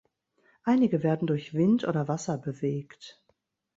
Einige werden durch Wind oder Wasser bewegt.